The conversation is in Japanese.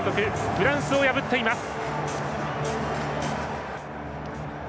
フランスを破っています。